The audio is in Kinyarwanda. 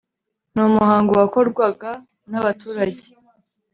ni umuhango wakorwaga n'abaturage